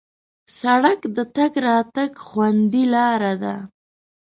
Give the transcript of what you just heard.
سړک د تګ راتګ خوندي لاره ده.